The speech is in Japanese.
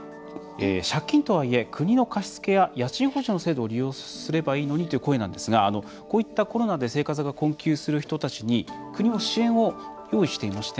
借金とはいえ、国の貸し付けや家賃補助の制度を利用すればいいのにという声なんですがこういったコロナで生活が困窮する人たちに国も支援を用意していまして。